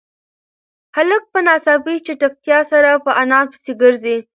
هلک په ناڅاپي چټکتیا سره په انا پسې گرځي.